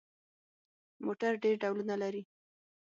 موټر ډېر ډولونه لري.